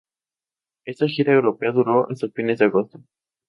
Esta gira europea duró hasta fines de agosto.